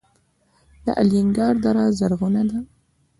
د الینګار دره زرغونه ده